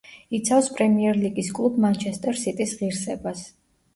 იცავს პრემიერ ლიგის კლუბ „მანჩესტერ სიტის“ ღირსებას.